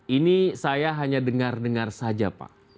ini saya hanya dengar dengar saja pak